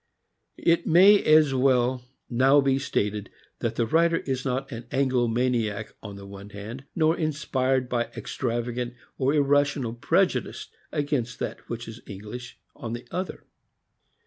It may as well now be stated that the writer is not an Anglo maniac on the one hand, nor inspired by extrava gant or irrational prejudice against that which is English on the other.